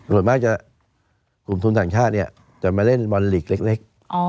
ส่วนมากจะกลุ่มทุนต่างชาติเนี่ยจะมาเล่นบอลลีกเล็ก